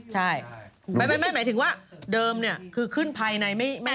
หมายถึงว่าเดิมเนี่ยคือขึ้นภัยในไม่กี่วัน